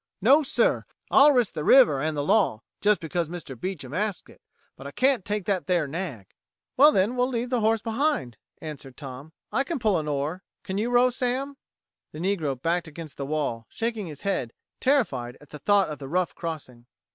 No, sir! I'll risk the river an' the law, just because Mr. Beecham asks it, but I can't take that there nag." "Well, then we'll leave the horse behind," answered Tom. "I can pull an oar. Can you row, Sam?" The negro backed against the wall, shaking his head, terrified at the thought of the rough crossing.